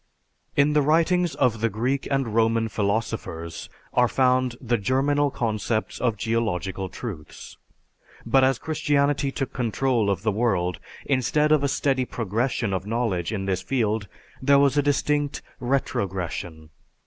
In the writings of the Greek and Roman philosophers are found the germinal concepts of geological truths. But as Christianity took control of the world instead of a steady progression of knowledge in this field there was a distinct retrogression.